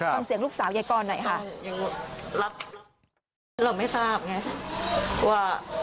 ฟังเสียงลูกสาวยายกรหน่อยค่ะ